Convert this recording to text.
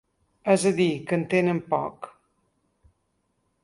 És a dir, que en tenen poc.